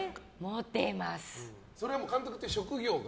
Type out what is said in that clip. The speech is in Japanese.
それは監督という職業が？